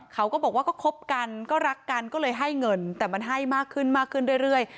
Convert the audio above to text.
เขาก็บอกว่าก็คบกันก็รักกันก็เลยให้เงินแต่มันให้มากขึ้นมากขึ้นเรื่อย